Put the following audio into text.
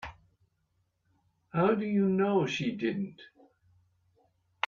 How do you know she didn't?